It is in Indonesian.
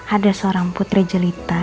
ada seorang putri jelita